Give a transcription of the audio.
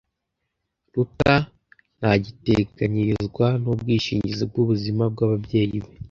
Ruta ntagiteganyirizwa n'ubwishingizi bw'ubuzima bw'ababyeyi be.